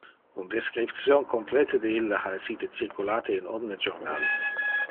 Un description complete de ille ha essite circulate in omne jornal.